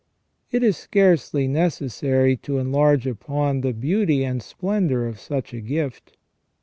It is scarcely necessary to enlarge upon the beauty and splendour of such a gift.